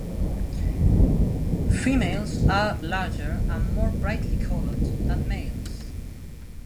Females are larger and more brightly coloured than males.